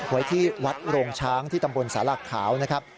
ไว้ที่วัดโรงช้างที่ตำบลสารักขาวนะครับ